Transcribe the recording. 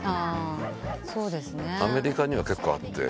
アメリカには結構あって。